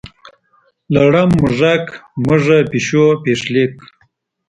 لړم، موږک، مږه، پیشو، پیښلیک.